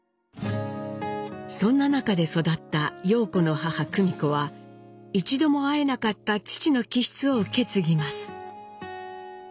そんな中で育った陽子の母久美子は一度も会えなかった父の気質を受け継ぎます。